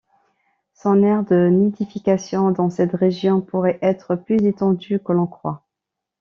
Son aire de nidification dans cette région pourrait être plus étendue que l’on croit.